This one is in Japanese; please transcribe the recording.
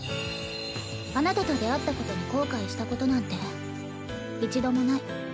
あなたと出会ったことに後悔したことなんて一度もない。